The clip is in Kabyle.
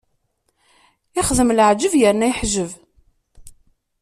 Ixdem laɛǧeb yerna yeḥjeb.